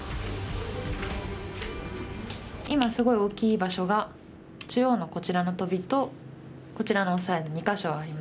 今すごい大きい場所が中央のこちらのトビとこちらのオサエの２か所ありまして。